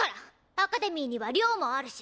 アカデミーには寮もあるし！